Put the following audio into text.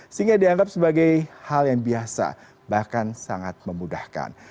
sehingga dianggap sebagai hal yang biasa bahkan sangat memudahkan